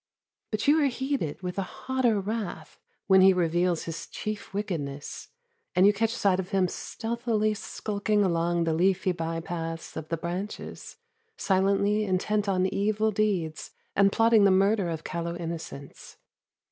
But you are heated with a hotter wrath when he reveals his chief wickedness, and you catch sight of him stealthily skulking along the leafy by paths of the branches, silently intent on evil deeds and plotting the murder of callow innocents.